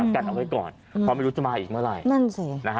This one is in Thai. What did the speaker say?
การเอาไว้ก่อนเขาไม่รู้จะมาอีกเมื่อไหร่